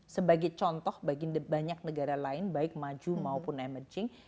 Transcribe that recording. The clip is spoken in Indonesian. sebagai contoh bagi banyak negara lain baik maju maupun emerging